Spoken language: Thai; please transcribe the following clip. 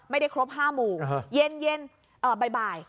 ไม่ได้ครบ๕โมงเย็นบ่าย